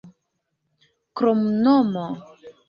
kromnomo